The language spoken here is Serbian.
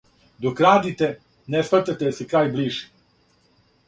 Док радите, не схватате да се крај ближи.